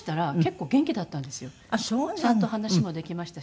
ちゃんと話もできましたし。